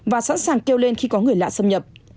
và sẵn sàng kêu lên khi có người lạ xâm nhập